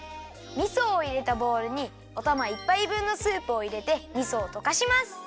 みそをいれたボウルにおたま１ぱい分のスープをいれてみそをとかします！